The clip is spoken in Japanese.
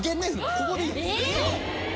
ここでいいです。